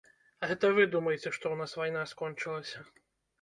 Гэта вы думаеце, што ў нас вайна скончылася.